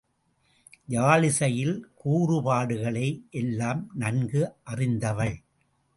யாழிசையில் கூறுபாடுகளை எல்லாம் நன்கு அறிந்தவள்.